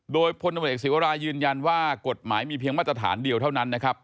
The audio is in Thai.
โดยพลตำรวจเอกศิวรายืนยันว่ากฎหมายมีเพียงมาตรฐานเดียวเท่านั้นนะครับ